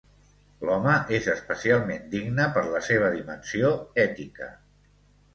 L'home és especialment digne per la seva dimensió ètica.